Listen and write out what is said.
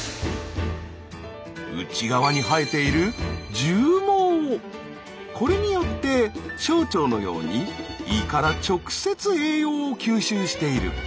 内側に生えているこれによって小腸のように胃から直接栄養を吸収している。